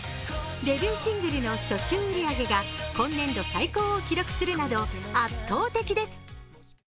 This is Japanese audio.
デビューシングルの初週売り上げが今年度最高を記録するなど圧倒的です。